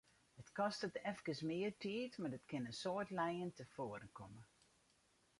It kostet efkes mear tiid, mar it kin in soad lijen tefoaren komme.